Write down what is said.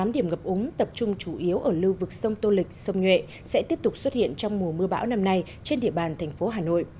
tám điểm ngập úng tập trung chủ yếu ở lưu vực sông tô lịch sông nhuệ sẽ tiếp tục xuất hiện trong mùa mưa bão năm nay trên địa bàn thành phố hà nội